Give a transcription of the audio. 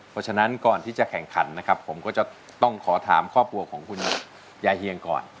เพราะฉะนั้นก่อนที่จะแข่งขันนะครับผมก็จะต้องขอถามครอบครัวของคุณยายเฮียงก่อน